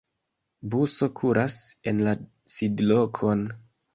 Buso kuras en la sidlokon.